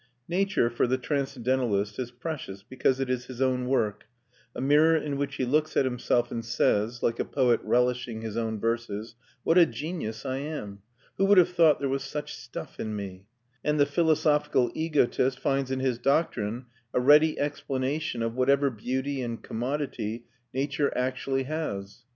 Nature, for the transcendentalist, is precious because it is his own work, a mirror in which he looks at himself and says (like a poet relishing his own verses), "What a genius I am! Who would have thought there was such stuff in me?" And the philosophical egotist finds in his doctrine a ready explanation of whatever beauty and commodity nature actually has.